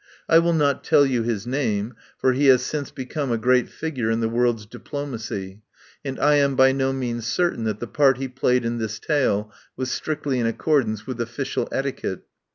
I will not tell you his name, for he has since become a great figure in the world's diplomacy, and I am by no means certain that the part he played in this tale was strictly in accordance with official etiquette.